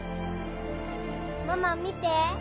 ママ見て！